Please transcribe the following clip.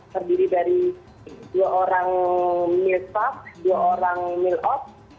terdiri dari dua orang milstab dua orang milop